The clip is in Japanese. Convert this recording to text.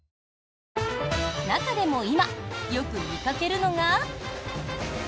中でも今、よく見かけるのが。